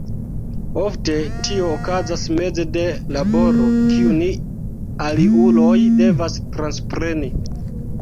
Ofte tio okazas meze de laboro, kiun aliuloj devas transpreni.